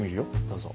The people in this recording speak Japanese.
どうぞ。